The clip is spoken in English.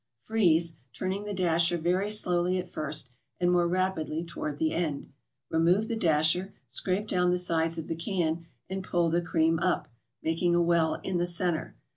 Freeze, turning the dasher very slowly at first and more rapidly toward the end. Remove the dasher, scrape down the sides of the can and pull the cream up, making a well in the centre.